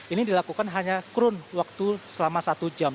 ini dilakukan hanya kurun waktu selama satu jam